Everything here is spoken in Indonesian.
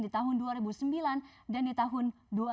di tahun dua ribu sembilan dan di tahun dua ribu dua